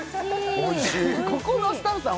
ここのスタッフさん